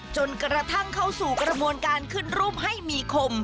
จนกระทั่งเข้าสู่กระบวนการขึ้นรูปให้มีคม